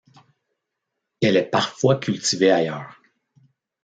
Elle est parfois cultivée ailleurs.